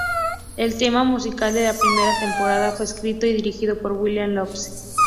El tema musical de la primera temporada fue escrito y dirigido por William Loose.